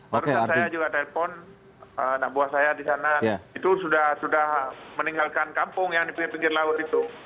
barusan saya juga telpon anak buah saya di sana itu sudah meninggalkan kampung yang di pinggir pinggir laut itu